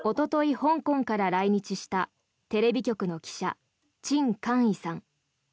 香港から来日したテレビ局の記者チン・カンイさん。